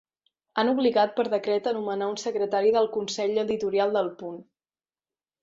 Han obligat per decret anomenar un secretari del Consell editorial d'El Punt.